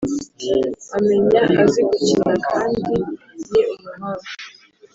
Bamenya azigukina kndi ni umuhanga